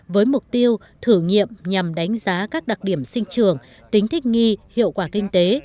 với mục tiêu thử nghiệm nhằm đánh giá các đặc điểm sinh trường tính thích nghi hiệu quả kinh tế